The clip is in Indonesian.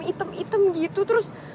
hitam hitam gitu terus